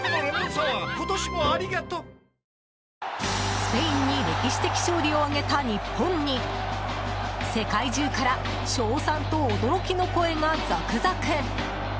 スペインに歴史的勝利を挙げた日本に世界中から賞賛と驚きの声が続々。